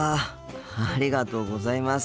ありがとうございます。